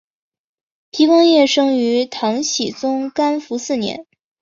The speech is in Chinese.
皮光业生于唐僖宗干符四年。